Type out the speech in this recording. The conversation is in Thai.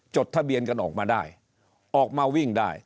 จดทะเบียนกันออกมาได้ออกมาวิ่งได้